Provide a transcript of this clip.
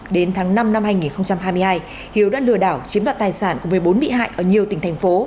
đến tháng năm năm hai nghìn hai mươi hai hiếu đã lừa đảo chiếm đoạt tài sản của một mươi bốn bị hại ở nhiều tỉnh thành phố